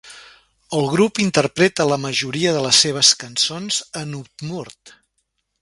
El grup interpreta la majoria de les seves cançons en udmurt.